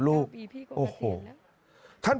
คุณพ่อครับสารงานต่อของคุณพ่อครับ